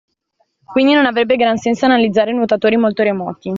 Quindi non avrebbe gran senso analizzare nuotatori molto remoti